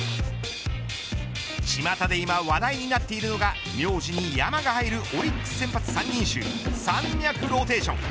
ちまたで今話題なっているのが名字に山が入るオリックス先発３人衆山脈ローテーション。